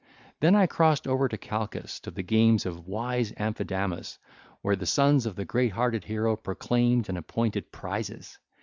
Then I crossed over to Chalcis, to the games of wise Amphidamas where the sons of the great hearted hero proclaimed and appointed prizes.